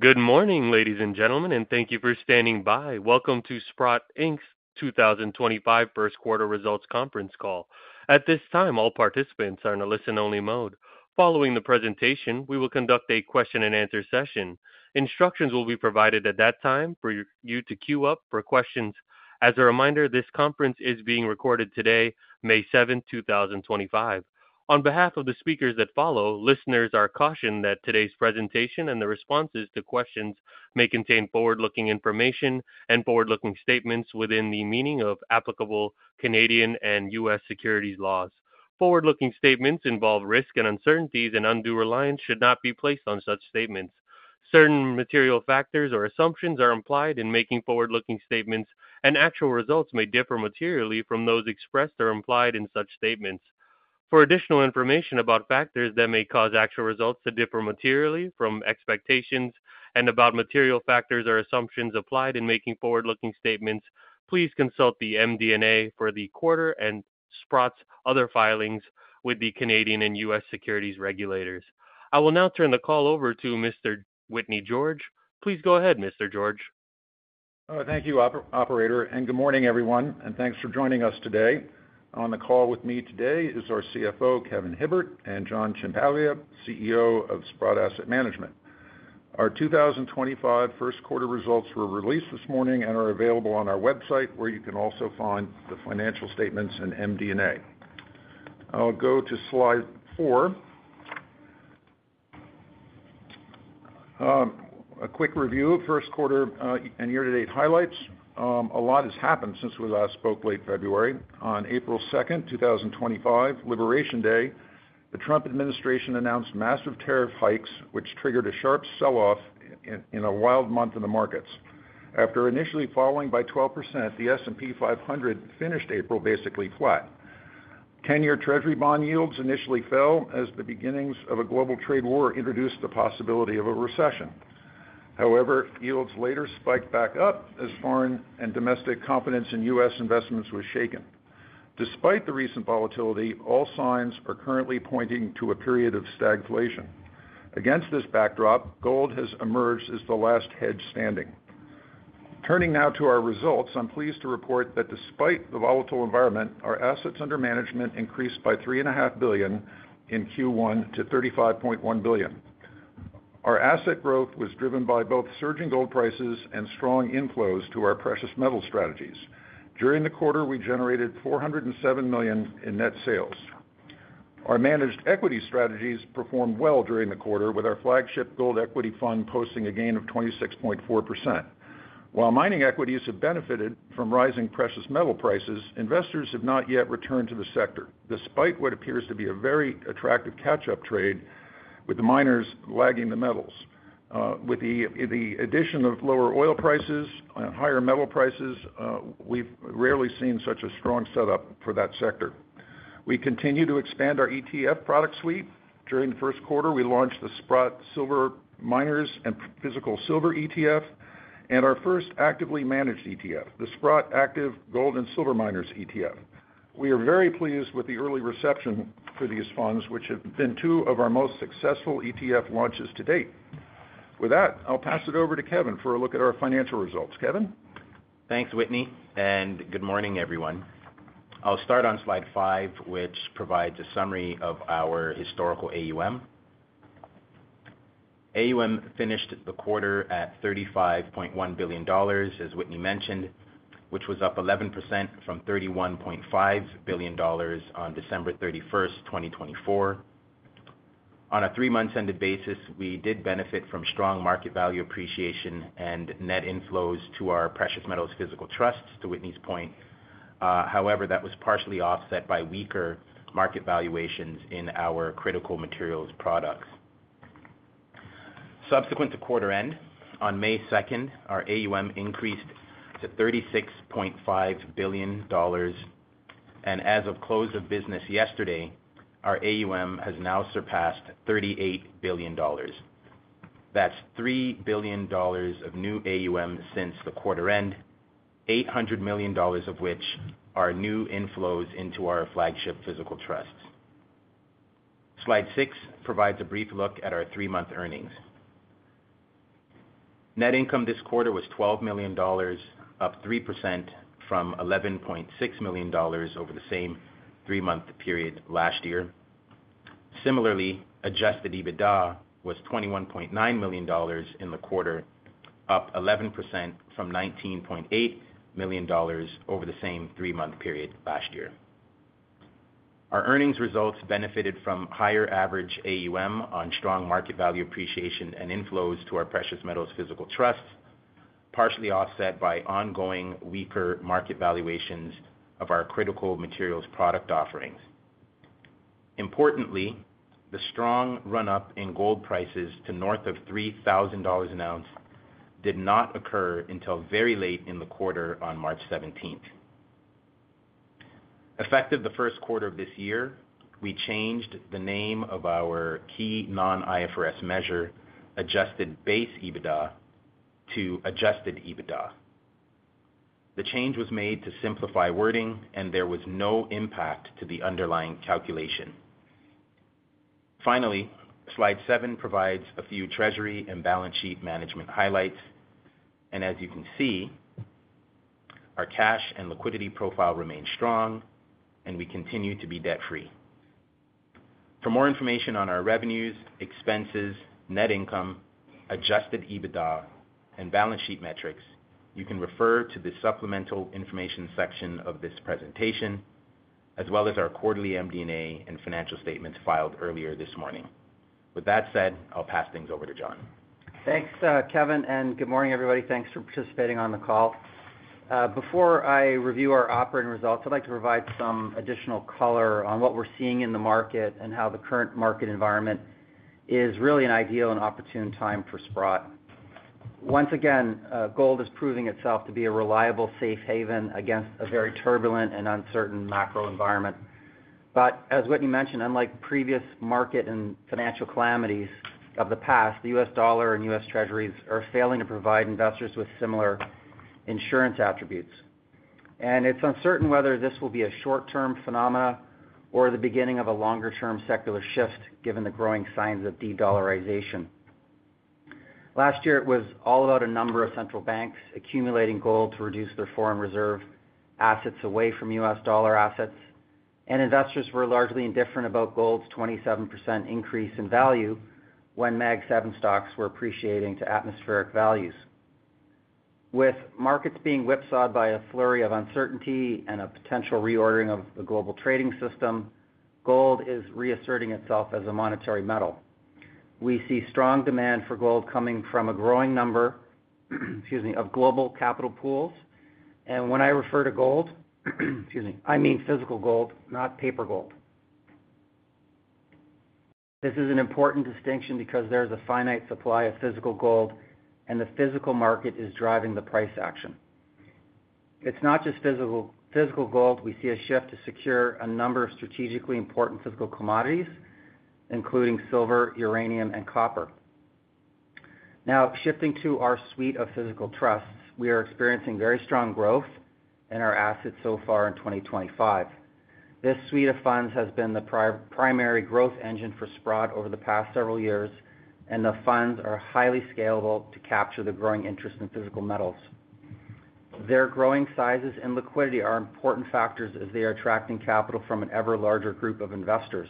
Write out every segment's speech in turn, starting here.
Good morning, ladies and gentlemen, and thank you for standing by. Welcome to Sprott's 2025 First Quarter Results Conference Call. At this time, all participants are in a listen-only mode. Following the presentation, we will conduct a question-and-answer session. Instructions will be provided at that time for you to queue up for questions. As a reminder, this conference is being recorded today, May 7, 2025. On behalf of the speakers that follow, listeners are cautioned that today's presentation and the responses to questions may contain forward-looking information and forward-looking statements within the meaning of applicable Canadian and U.S. securities laws. Forward-looking statements involve risk and uncertainties, and undue reliance should not be placed on such statements. Certain material factors or assumptions are implied in making forward-looking statements, and actual results may differ materially from those expressed or implied in such statements. For additional information about factors that may cause actual results to differ materially from expectations and about material factors or assumptions applied in making forward-looking statements, please consult the MD&A for the quarter and Sprott's other filings with the Canadian and U.S. securities regulators. I will now turn the call over to Mr. Whitney George. Please go ahead, Mr. George. Thank you, Operator, and good morning, everyone, and thanks for joining us today. On the call with me today is our CFO, Kevin Hibbert, and John Ciampaglia, CEO of Sprott Asset Management. Our 2025 first quarter results were released this morning and are available on our website, where you can also find the financial statements and MD&A. I'll go to slide four. A quick review of first quarter and year-to-date highlights. A lot has happened since we last spoke late February. On April 2, 2025, Liberation Day, the Trump administration announced massive tariff hikes, which triggered a sharp sell-off in a wild month in the markets. After initially falling by 12%, the S&P 500 finished April basically flat. 10-year Treasury bond yields initially fell as the beginnings of a global trade war introduced the possibility of a recession. However, yields later spiked back up as foreign and domestic confidence in U.S. investments was shaken. Despite the recent volatility, all signs are currently pointing to a period of stagflation. Against this backdrop, gold has emerged as the last hedge standing. Turning now to our results, I'm pleased to report that despite the volatile environment, our assets under management increased by $3.5 billion in Q1 to $35.1 billion. Our asset growth was driven by both surging gold prices and strong inflows to our precious metal strategies. During the quarter, we generated $407 million in net sales. Our managed equity strategies performed well during the quarter, with our flagship gold equity fund posting a gain of 26.4%. While mining equities have benefited from rising precious metal prices, investors have not yet returned to the sector, despite what appears to be a very attractive catch-up trade with the miners lagging the metals. With the addition of lower oil prices and higher metal prices, we've rarely seen such a strong setup for that sector. We continue to expand our ETF product suite. During the first quarter, we launched the Sprott Silver Miners and Physical Silver ETF and our first actively managed ETF, the Sprott Active Gold and Silver Miners ETF. We are very pleased with the early reception for these funds, which have been two of our most successful ETF launches to date. With that, I'll pass it over to Kevin for a look at our financial results. Kevin. Thanks, Whitney, and good morning, everyone. I'll start on slide five, which provides a summary of our historical AUM. AUM finished the quarter at $35.1 billion, as Whitney mentioned, which was up 11% from $31.5 billion on December 31st, 2024. On a three-month-ended basis, we did benefit from strong market value appreciation and net inflows to our precious metals physical trusts, to Whitney's point. However, that was partially offset by weaker market valuations in our critical materials products. Subsequent to quarter end, on May 2nd, our AUM increased to $36.5 billion, and as of close of business yesterday, our AUM has now surpassed $38 billion. That's $3 billion of new AUM since the quarter end, $800 million of which are new inflows into our flagship physical trusts. Slide six provides a brief look at our three-month earnings. Net income this quarter was $12 million, up 3% from $11.6 million over the same three-month period last year. Similarly, adjusted EBITDA was $21.9 million in the quarter, up 11% from $19.8 million over the same three-month period last year. Our earnings results benefited from higher average AUM on strong market value appreciation and inflows to our precious metals physical trusts, partially offset by ongoing weaker market valuations of our critical materials product offerings. Importantly, the strong run-up in gold prices to north of $3,000 an ounce did not occur until very late in the quarter on March 17th. Effective the first quarter of this year, we changed the name of our key non-IFRS measure, adjusted base EBITDA, to adjusted EBITDA. The change was made to simplify wording, and there was no impact to the underlying calculation. Finally, slide seven provides a few treasury and balance sheet management highlights, and as you can see, our cash and liquidity profile remains strong, and we continue to be debt-free. For more information on our revenues, expenses, net income, adjusted EBITDA, and balance sheet metrics, you can refer to the supplemental information section of this presentation, as well as our quarterly MD&A and financial statements filed earlier this morning. With that said, I'll pass things over to John. Thanks, Kevin, and good morning, everybody. Thanks for participating on the call. Before I review our operating results, I'd like to provide some additional color on what we're seeing in the market and how the current market environment is really an ideal and opportune time for Sprott. Once again, gold is proving itself to be a reliable, safe haven against a very turbulent and uncertain macro environment. As Whitney mentioned, unlike previous market and financial calamities of the past, the U.S. dollar and U.S. Treasuries are failing to provide investors with similar insurance attributes. It's uncertain whether this will be a short-term phenomena or the beginning of a longer-term secular shift, given the growing signs of de-dollarization. Last year, it was all about a number of central banks accumulating gold to reduce their foreign reserve assets away from U.S. Dollar assets, and investors were largely indifferent about gold's 27% increase in value when MAG-7 stocks were appreciating to atmospheric values. With markets being whipsawed by a flurry of uncertainty and a potential reordering of the global trading system, gold is reasserting itself as a monetary metal. We see strong demand for gold coming from a growing number, excuse me, of global capital pools. And when I refer to gold, excuse me, I mean physical gold, not paper gold. This is an important distinction because there is a finite supply of physical gold, and the physical market is driving the price action. It's not just physical gold. We see a shift to secure a number of strategically important physical commodities, including silver, uranium, and copper. Now, shifting to our suite of physical trusts, we are experiencing very strong growth in our assets so far in 2025. This suite of funds has been the primary growth engine for Sprott over the past several years, and the funds are highly scalable to capture the growing interest in physical metals. Their growing sizes and liquidity are important factors as they are attracting capital from an ever larger group of investors.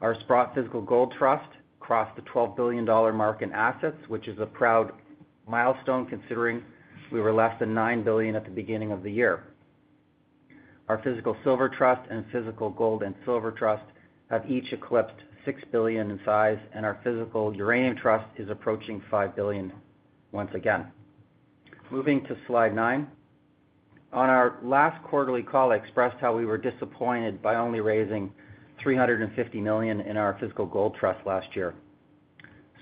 Our Sprott Physical Gold Trust crossed the $12 billion mark in assets, which is a proud milestone considering we were less than $9 billion at the beginning of the year. Our Physical Silver Trust and Physical Gold and Silver Trust have each eclipsed $6 billion in size, and our Physical Uranium Trust is approaching $5 billion once again. Moving to slide nine, on our last quarterly call, I expressed how we were disappointed by only raising $350 million in our Physical Gold Trust last year.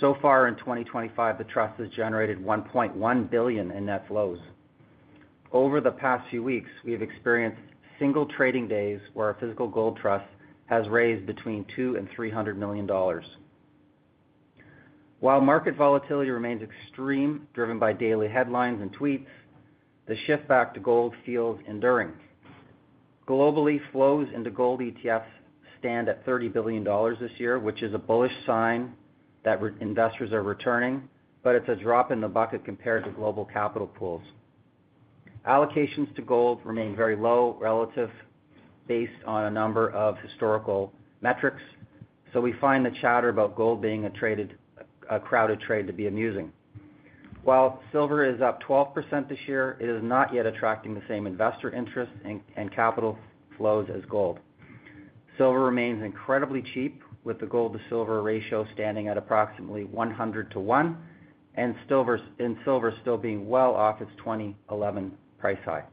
So far in 2024, the trust has generated $1.1 billion in net flows. Over the past few weeks, we have experienced single trading days where our Physical Gold Trust has raised between $200 million and $300 million. While market volatility remains extreme, driven by daily headlines and tweets, the shift back to gold feels enduring. Globally, flows into gold ETFs stand at $30 billion this year, which is a bullish sign that investors are returning, but it's a drop in the bucket compared to global capital pools. Allocations to gold remain very low relative based on a number of historical metrics, so we find the chatter about gold being a crowded trade to be amusing. While silver is up 12% this year, it is not yet attracting the same investor interest and capital flows as gold. Silver remains incredibly cheap, with the gold-to-silver ratio standing at approximately 100 to one, and silver still being well off its 2011 price high.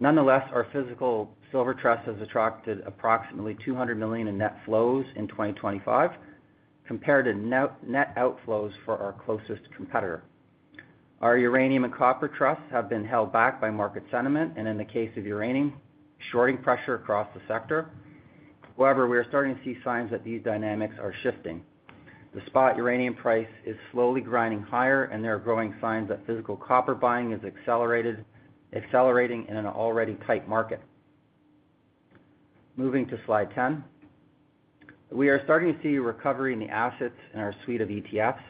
Nonetheless, our Physical Silver Trust has attracted approximately $200 million in net flows in 2025 compared to net outflows for our closest competitor. Our uranium and copper trusts have been held back by market sentiment and, in the case of uranium, shorting pressure across the sector. However, we are starting to see signs that these dynamics are shifting. The spot uranium price is slowly grinding higher, and there are growing signs that physical copper buying is accelerating in an already tight market. Moving to slide ten, we are starting to see a recovery in the assets in our suite of ETFs.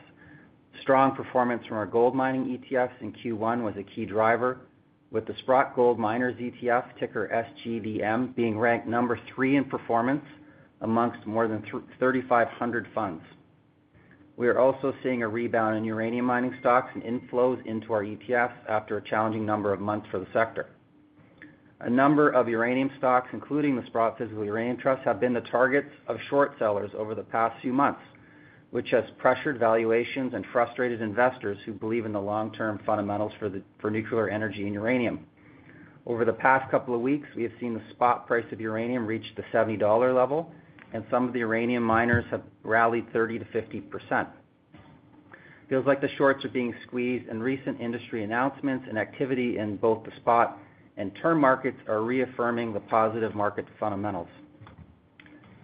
Strong performance from our gold mining ETFs in Q1 was a key driver, with the Sprott Gold Miners ETF, ticker SGDM, being ranked number three in performance amongst more than 3,500 funds. We are also seeing a rebound in uranium mining stocks and inflows into our ETFs after a challenging number of months for the sector. A number of uranium stocks, including the Sprott Physical Uranium Trust, have been the targets of short sellers over the past few months, which has pressured valuations and frustrated investors who believe in the long-term fundamentals for nuclear energy and uranium. Over the past couple of weeks, we have seen the spot price of uranium reach the $70 level, and some of the uranium miners have rallied 30%-50%. Feels like the shorts are being squeezed, and recent industry announcements and activity in both the spot and term markets are reaffirming the positive market fundamentals.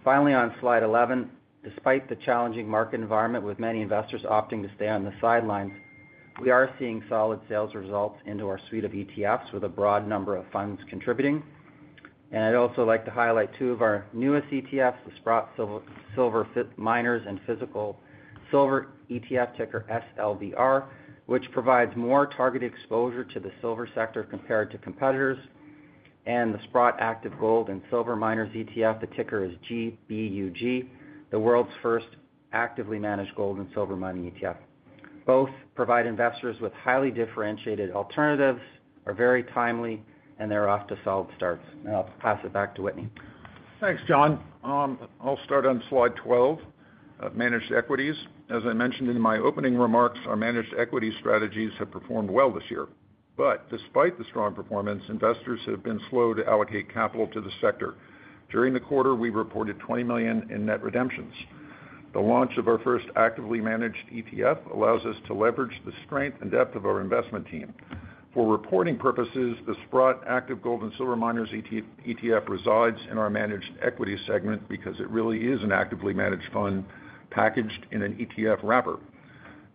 Finally, on slide 11, despite the challenging market environment with many investors opting to stay on the sidelines, we are seeing solid sales results into our suite of ETFs with a broad number of funds contributing. I'd also like to highlight two of our newest ETFs, the Sprott Silver Miners and Physical Silver ETF, ticker SLVR, which provides more targeted exposure to the silver sector compared to competitors. The Sprott Active Gold and Silver Miners ETF, the ticker is GBUG, is the world's first actively managed gold and silver mining ETF. Both provide investors with highly differentiated alternatives, are very timely, and they're off to solid starts. Now, I'll pass it back to Whitney. Thanks, John. I'll start on slide 12, managed equities. As I mentioned in my opening remarks, our managed equity strategies have performed well this year. Despite the strong performance, investors have been slow to allocate capital to the sector. During the quarter, we reported $20 million in net redemptions. The launch of our first actively managed ETF allows us to leverage the strength and depth of our investment team. For reporting purposes, the Sprott Active Gold and Silver Miners ETF resides in our managed equity segment because it really is an actively managed fund packaged in an ETF wrapper.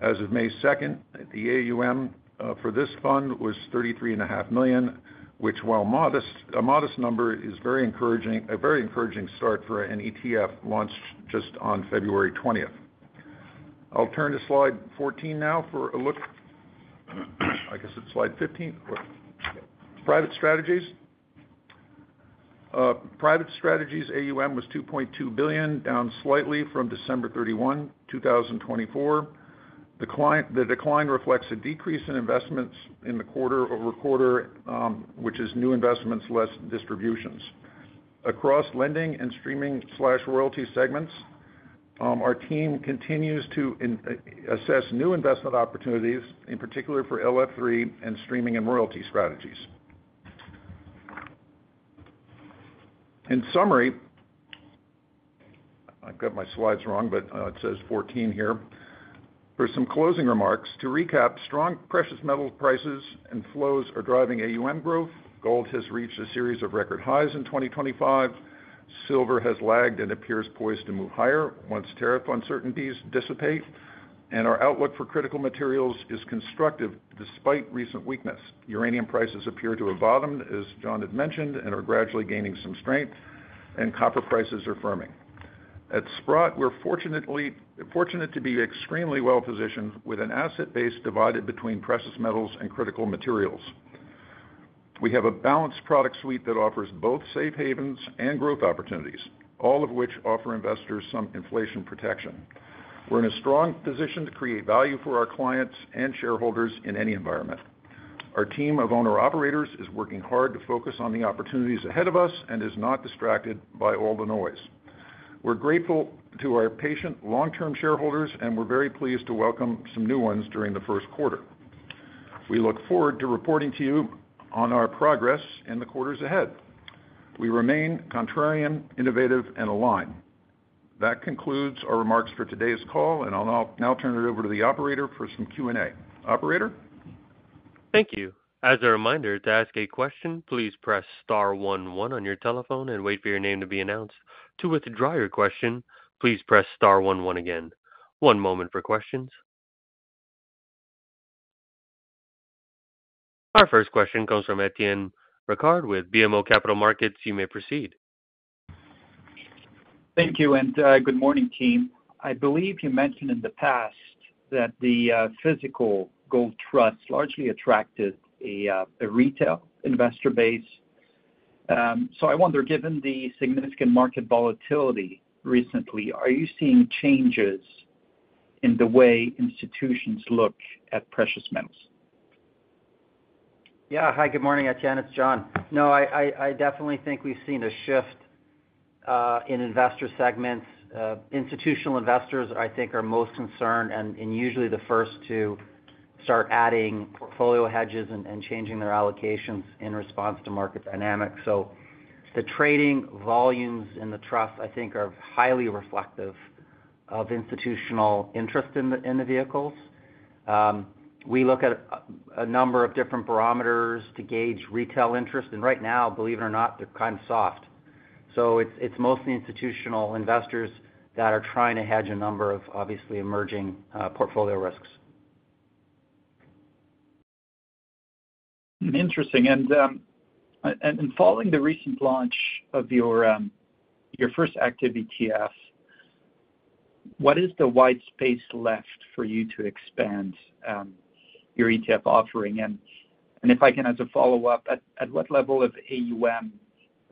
As of May 2, the AUM for this fund was $33.5 million, which, while modest, a modest number is a very encouraging start for an ETF launched just on February 20th. I'll turn to slide 14 now for a look. I guess it's slide 15. Private strategies. Private strategies AUM was $2.2 billion, down slightly from December 31, 2024. The decline reflects a decrease in investments in the quarter over quarter, which is new investments, less distributions. Across lending and streaming/royalty segments, our team continues to assess new investment opportunities, in particular for LF3 and streaming and royalty strategies. In summary, I've got my slides wrong, but it says 14 here. For some closing remarks, to recap, strong precious metal prices and flows are driving AUM growth. Gold has reached a series of record highs in 2025. Silver has lagged and appears poised to move higher once tariff uncertainties dissipate, and our outlook for critical materials is constructive despite recent weakness. Uranium prices appear to have bottomed, as John had mentioned, and are gradually gaining some strength, and copper prices are firming. At Sprott, we're fortunate to be extremely well positioned with an asset base divided between precious metals and critical materials. We have a balanced product suite that offers both safe havens and growth opportunities, all of which offer investors some inflation protection. We're in a strong position to create value for our clients and shareholders in any environment. Our team of owner-operators is working hard to focus on the opportunities ahead of us and is not distracted by all the noise. We're grateful to our patient long-term shareholders, and we're very pleased to welcome some new ones during the first quarter. We look forward to reporting to you on our progress in the quarters ahead. We remain contrarian, innovative, and aligned. That concludes our remarks for today's call, and I'll now turn it over to the operator for some Q&A. Operator. Thank you. As a reminder, to ask a question, please press star one one on your telephone and wait for your name to be announced. To withdraw your question, please press star one one again. One moment for questions. Our first question comes from Etienne Ricard with BMO Capital Markets. You may proceed. Thank you and good morning, team. I believe you mentioned in the past that the Physical Gold Trust largely attracted a retail investor base. I wonder, given the significant market volatility recently, are you seeing changes in the way institutions look at precious metals? Yeah. Hi, good morning, Etienne. It's John. No, I definitely think we've seen a shift in investor segments. Institutional investors, I think, are most concerned and usually the first to start adding portfolio hedges and changing their allocations in response to market dynamics. The trading volumes in the trust, I think, are highly reflective of institutional interest in the vehicles. We look at a number of different barometers to gauge retail interest, and right now, believe it or not, they're kind of soft. It is mostly institutional investors that are trying to hedge a number of obviously emerging portfolio risks. Interesting. Following the recent launch of your first active ETF, what is the white space left for you to expand your ETF offering? If I can, as a follow-up, at what level of AUM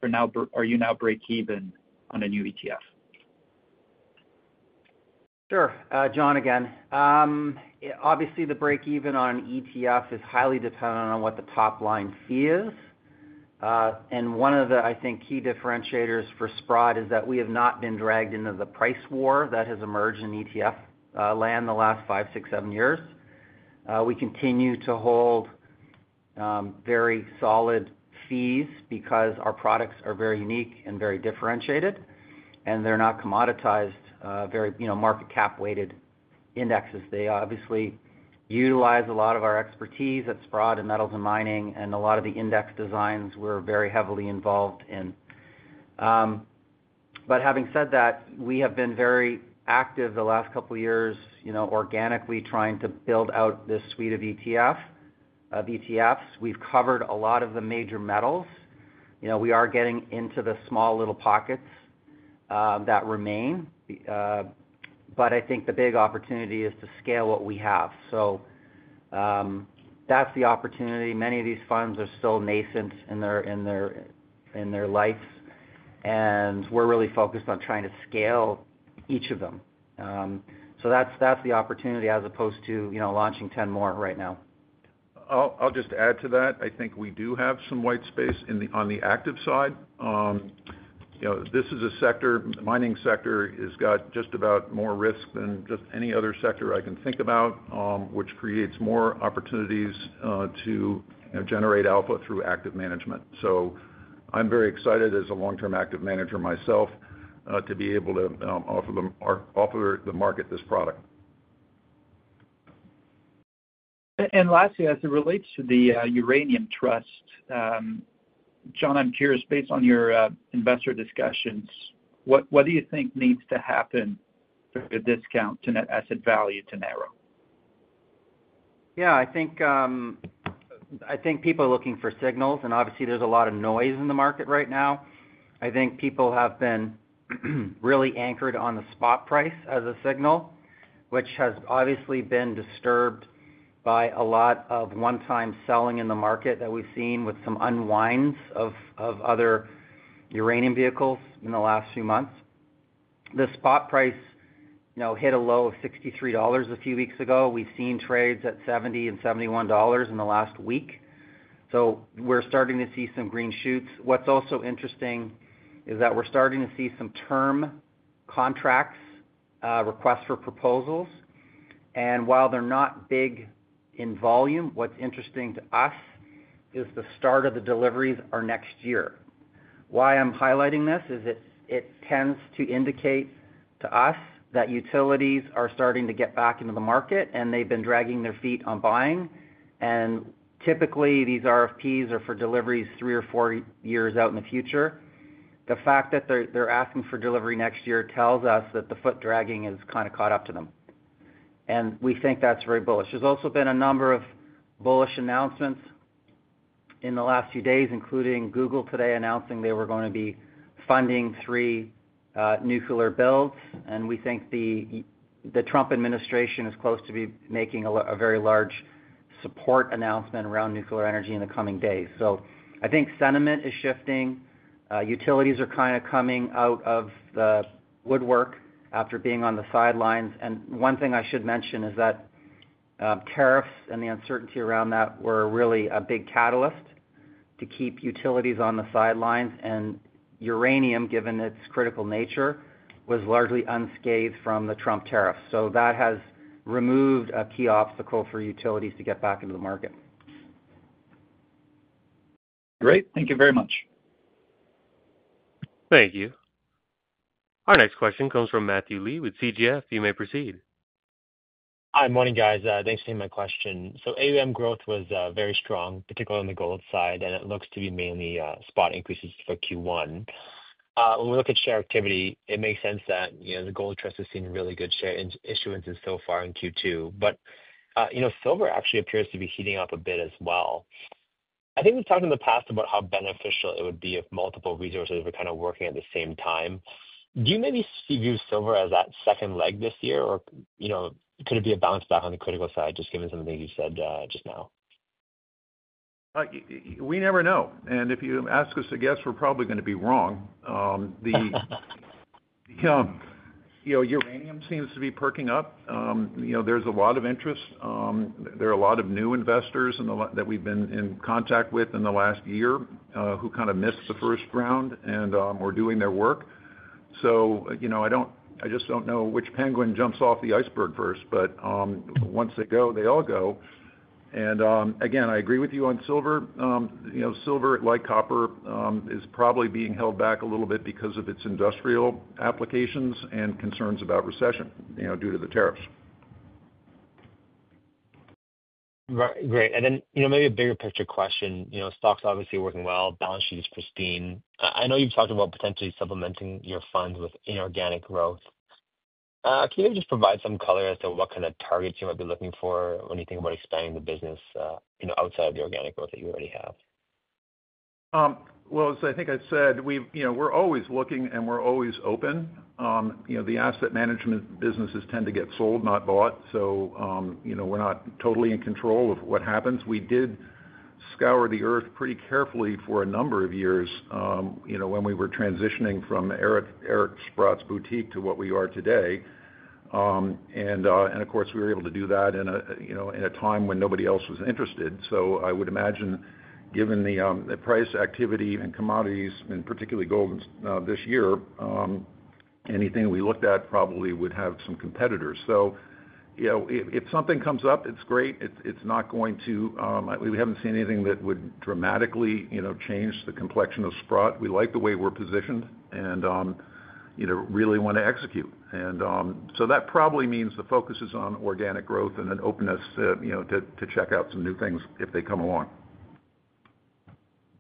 are you now breakeven on a new ETF? Sure. John again. Obviously, the breakeven on an ETF is highly dependent on what the top line fee is. One of the, I think, key differentiators for Sprott is that we have not been dragged into the price war that has emerged in ETF land the last five, six, seven years. We continue to hold very solid fees because our products are very unique and very differentiated, and they are not commoditized, very market cap-weighted indexes. They obviously utilize a lot of our expertise at Sprott and metals and mining and a lot of the index designs we are very heavily involved in. Having said that, we have been very active the last couple of years, organically trying to build out this suite of ETFs. We have covered a lot of the major metals. We are getting into the small little pockets that remain, but I think the big opportunity is to scale what we have. That is the opportunity. Many of these funds are still nascent in their lives, and we are really focused on trying to scale each of them. That is the opportunity as opposed to launching 10 more right now. I'll just add to that. I think we do have some white space on the active side. This is a sector, mining sector, has got just about more risk than just any other sector I can think about, which creates more opportunities to generate alpha through active management. So I'm very excited as a long-term active manager myself to be able to offer the market this product. Lastly, as it relates to the uranium trust, John, I'm curious, based on your investor discussions, what do you think needs to happen for the discount to net asset value to narrow? Yeah. I think people are looking for signals, and obviously, there's a lot of noise in the market right now. I think people have been really anchored on the spot price as a signal, which has obviously been disturbed by a lot of one-time selling in the market that we've seen with some unwinds of other uranium vehicles in the last few months. The spot price hit a low of $63 a few weeks ago. We've seen trades at $70 and $71 in the last week. We are starting to see some green shoots. What's also interesting is that we're starting to see some term contracts, requests for proposals. While they're not big in volume, what's interesting to us is the start of the deliveries are next year. Why I'm highlighting this is it tends to indicate to us that utilities are starting to get back into the market, and they've been dragging their feet on buying. Typically, these RFPs are for deliveries three or four years out in the future. The fact that they're asking for delivery next year tells us that the foot dragging has kind of caught up to them. We think that's very bullish. There's also been a number of bullish announcements in the last few days, including Google today announcing they were going to be funding three nuclear builds. We think the Trump administration is close to making a very large support announcement around nuclear energy in the coming days. I think sentiment is shifting. Utilities are kind of coming out of the woodwork after being on the sidelines. One thing I should mention is that tariffs and the uncertainty around that were really a big catalyst to keep utilities on the sidelines. Uranium, given its critical nature, was largely unscathed from the Trump tariffs. That has removed a key obstacle for utilities to get back into the market. Great. Thank you very much. Thank you. Our next question comes from Matthew Lee with CIBC Capital Markets. You may proceed. Hi, morning, guys. Thanks for taking my question. AUM growth was very strong, particularly on the gold side, and it looks to be mainly spot increases for Q1. When we look at share activity, it makes sense that the gold trust has seen really good share issuance so far in Q2. Silver actually appears to be heating up a bit as well. I think we have talked in the past about how beneficial it would be if multiple resources were kind of working at the same time. Do you maybe view silver as that second leg this year, or could it be a bounce back on the critical side, just given some of the things you have said just now? We never know. If you ask us a guess, we're probably going to be wrong. Uranium seems to be perking up. There is a lot of interest. There are a lot of new investors that we've been in contact with in the last year who kind of missed the first round and are doing their work. I just do not know which penguin jumps off the iceberg first, but once they go, they all go. I agree with you on silver. Silver, like copper, is probably being held back a little bit because of its industrial applications and concerns about recession due to the tariffs. Great. Maybe a bigger picture question. Stocks obviously working well. Balance sheet is pristine. I know you've talked about potentially supplementing your funds with inorganic growth. Can you maybe just provide some color as to what kind of targets you might be looking for when you think about expanding the business outside of the organic growth that you already have? As I think I said, we're always looking and we're always open. The asset management businesses tend to get sold, not bought. We are not totally in control of what happens. We did scour the earth pretty carefully for a number of years when we were transitioning from Eric Sprott's boutique to what we are today. Of course, we were able to do that in a time when nobody else was interested. I would imagine, given the price activity in commodities, and particularly gold this year, anything we looked at probably would have some competitors. If something comes up, it's great. We have not seen anything that would dramatically change the complexion of Sprott. We like the way we're positioned and really want to execute. That probably means the focus is on organic growth and an openness to check out some new things if they come along.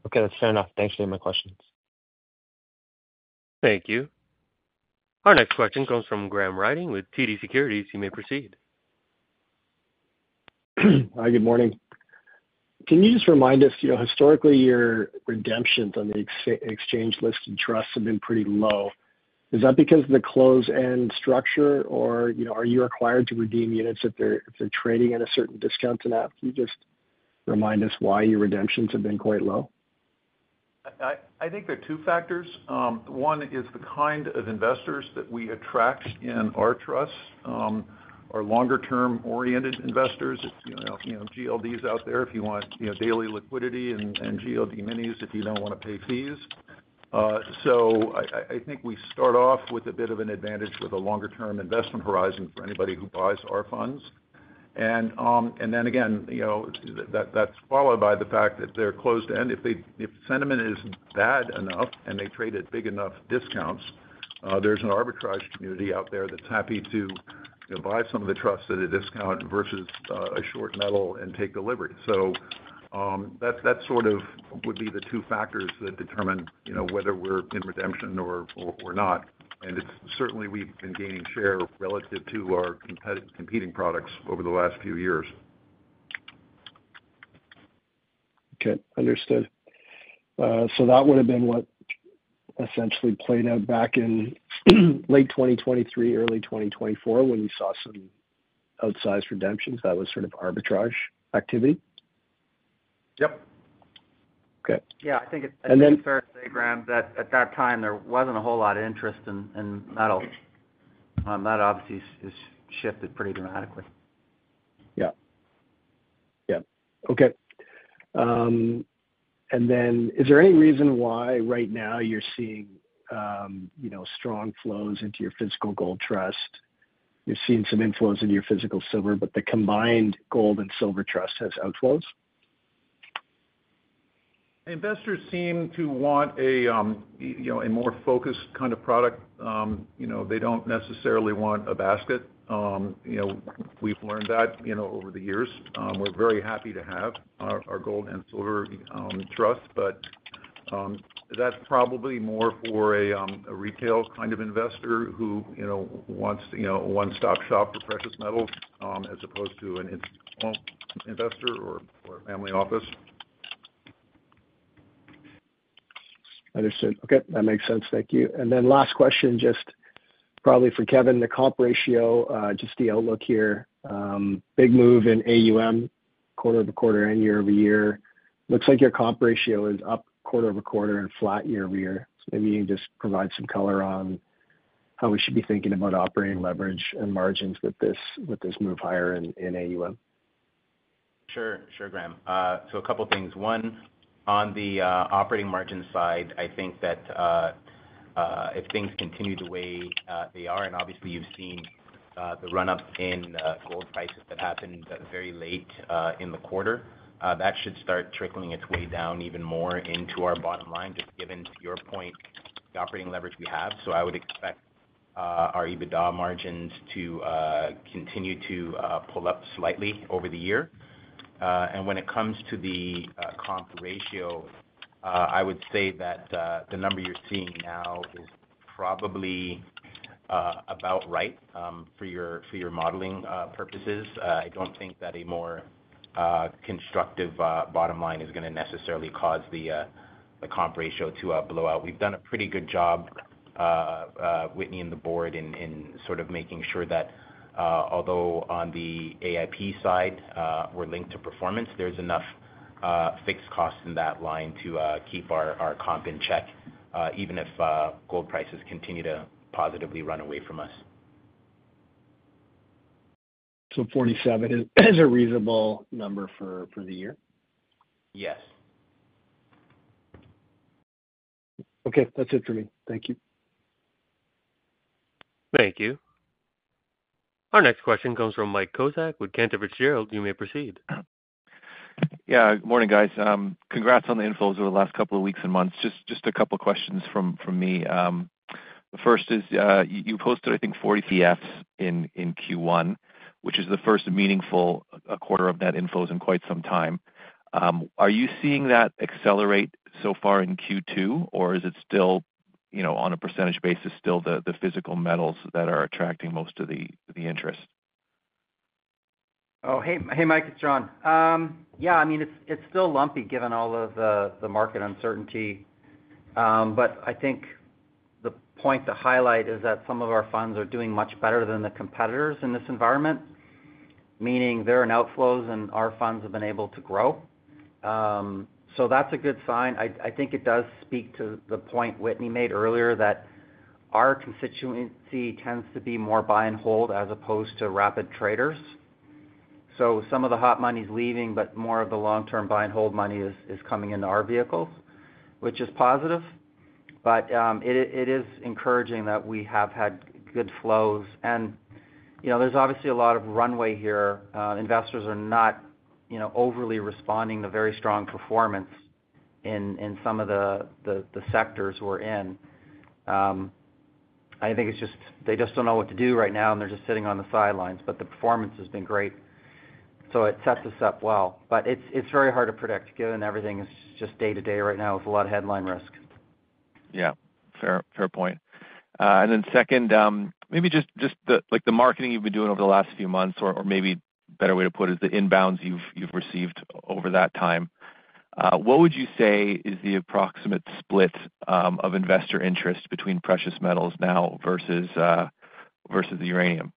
Okay. That's fair enough. Thanks for your questions. Thank you. Our next question comes from Graham Ryding with TD Securities. You may proceed. Hi, good morning. Can you just remind us, historically, your redemptions on the exchange-listed trusts have been pretty low? Is that because of the closed-end structure, or are you required to redeem units if they're trading at a certain discount? Can you just remind us why your redemptions have been quite low? I think there are two factors. One is the kind of investors that we attract in our trusts are longer-term oriented investors. GLD is out there if you want daily liquidity and GLD minis if you do not want to pay fees. I think we start off with a bit of an advantage with a longer-term investment horizon for anybody who buys our funds. That is followed by the fact that they are closed-end. If sentiment is bad enough and they trade at big enough discounts, there is an arbitrage community out there that is happy to buy some of the trusts at a discount versus a short metal and take delivery. That sort of would be the two factors that determine whether we are in redemption or not. Certainly, we have been gaining share relative to our competing products over the last few years. Okay. Understood. So that would have been what essentially played out back in late 2023, early 2024, when you saw some outsized redemptions that were sort of arbitrage activity? Yep. Okay. Yeah. I think it's fair to say, Graham, that at that time, there was not a whole lot of interest in metal. That obviously has shifted pretty dramatically. Yeah. Yeah. Okay. Is there any reason why right now you're seeing strong flows into your physical gold trust? You've seen some inflows into your physical silver, but the combined gold and silver trust has outflows? Investors seem to want a more focused kind of product. They do not necessarily want a basket. We have learned that over the years. We are very happy to have our gold and silver trusts, but that is probably more for a retail kind of investor who wants a one-stop shop for precious metals as opposed to an institutional investor or family office. Understood. Okay. That makes sense. Thank you. Last question, just probably for Kevin, the comp ratio, just the outlook here. Big move in AUM, quarter over quarter and year over year. Looks like your comp ratio is up quarter over quarter and flat year over year. Maybe you can just provide some color on how we should be thinking about operating leverage and margins with this move higher in AUM. Sure. Sure, Graham. So a couple of things. One, on the operating margin side, I think that if things continue the way they are, and obviously, you've seen the run-up in gold prices that happened very late in the quarter, that should start trickling its way down even more into our bottom line, just given to your point, the operating leverage we have. I would expect our EBITDA margins to continue to pull up slightly over the year. When it comes to the comp ratio, I would say that the number you're seeing now is probably about right for your modeling purposes. I do not think that a more constructive bottom line is going to necessarily cause the comp ratio to blow out. We've done a pretty good job, Whitney and the board, in sort of making sure that although on the AIP side, we're linked to performance, there's enough fixed costs in that line to keep our comp in check, even if gold prices continue to positively run away from us. Is 47 a reasonable number for the year? Yes. Okay. That's it for me. Thank you. Thank you. Our next question comes from Mike Kozak with Cantor Fitzgerald. You may proceed. Yeah. Good morning, guys. Congrats on the inflows over the last couple of weeks and months. Just a couple of questions from me. The first is you posted, I think, 40 PFS in Q1, which is the first meaningful quarter of net inflows in quite some time. Are you seeing that accelerate so far in Q2, or is it still, on a percentage basis, still the physical metals that are attracting most of the interest? Oh, hey, Mike. It's John. Yeah. I mean, it's still lumpy given all of the market uncertainty. I think the point to highlight is that some of our funds are doing much better than the competitors in this environment, meaning there are outflows and our funds have been able to grow. That's a good sign. I think it does speak to the point Whitney made earlier that our constituency tends to be more buy and hold as opposed to rapid traders. Some of the hot money is leaving, but more of the long-term buy and hold money is coming into our vehicles, which is positive. It is encouraging that we have had good flows. There's obviously a lot of runway here. Investors are not overly responding to very strong performance in some of the sectors we're in. I think they just don't know what to do right now, and they're just sitting on the sidelines. The performance has been great. It sets us up well. It is very hard to predict given everything is just day-to-day right now. There is a lot of headline risk. Yeah. Fair point. Then second, maybe just the marketing you've been doing over the last few months, or maybe a better way to put it is the inbounds you've received over that time. What would you say is the approximate split of investor interest between precious metals now versus the uranium?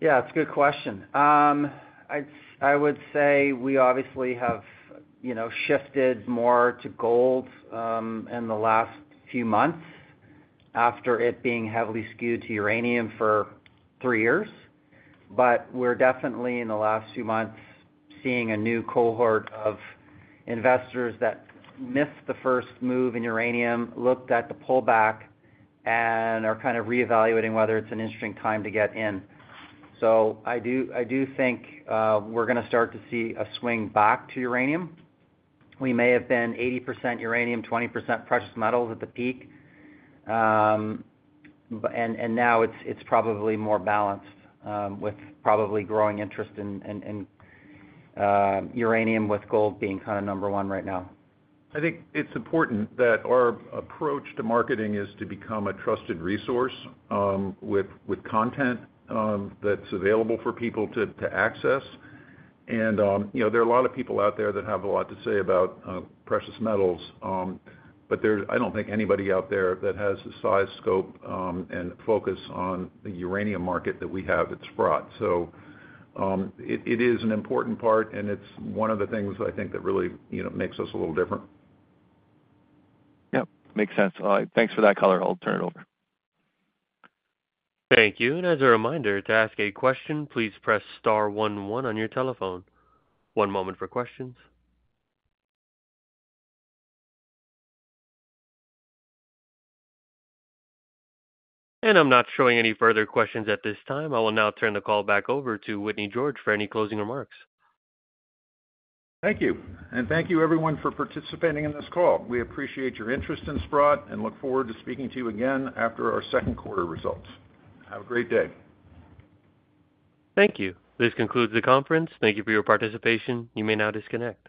Yeah. That's a good question. I would say we obviously have shifted more to gold in the last few months after it being heavily skewed to uranium for three years. We are definitely, in the last few months, seeing a new cohort of investors that missed the first move in uranium, looked at the pullback, and are kind of reevaluating whether it's an interesting time to get in. I do think we are going to start to see a swing back to uranium. We may have been 80% uranium, 20% precious metals at the peak. Now it's probably more balanced with probably growing interest in uranium with gold being kind of number one right now. I think it's important that our approach to marketing is to become a trusted resource with content that's available for people to access. There are a lot of people out there that have a lot to say about precious metals. I don't think anybody out there has the size, scope, and focus on the uranium market that we have at Sprott. It is an important part, and it's one of the things I think that really makes us a little different. Yep. Makes sense. Thanks for that color. I'll turn it over. Thank you. As a reminder, to ask a question, please press star one one on your telephone. One moment for questions. I'm not showing any further questions at this time. I will now turn the call back over to Whitney George for any closing remarks. Thank you. Thank you, everyone, for participating in this call. We appreciate your interest in Sprott and look forward to speaking to you again after our second quarter results. Have a great day. Thank you. This concludes the conference. Thank you for your participation. You may now disconnect.